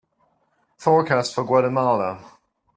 forecast for Guatemala